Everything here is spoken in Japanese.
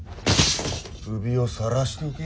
首をさらしておけ。